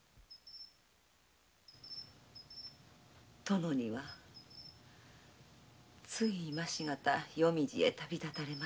殿にはつい今しがた黄泉路へ旅立たれました。